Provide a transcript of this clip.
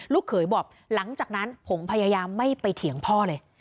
เขยบอกหลังจากนั้นผมพยายามไม่ไปเถียงพ่อเลย